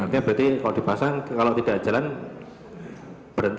artinya berarti kalau dipasang kalau tidak jalan berhenti